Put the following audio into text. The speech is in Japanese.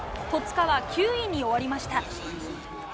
戸塚は９位に終わりました。